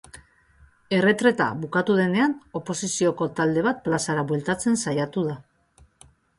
Erretreta bukatu denean, oposizioko talde bat plazara bueltatzen saiatu da.